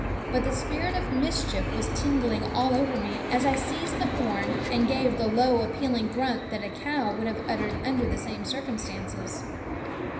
But the spirit of mischief was tingling all over me as I seized the horn and gave the low appealing grunt that a cow would have uttered under the same circumstances.